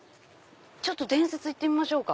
伝説いってみましょうか。